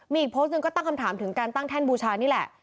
มีอีกโพสต์หนึ่งก็ตั้งคำถามถึงการตั้งแท่นบูชานี่แหละ